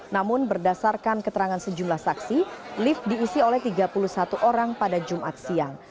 namun berdasarkan keterangan sejumlah saksi lift diisi oleh tiga puluh satu orang pada jumat siang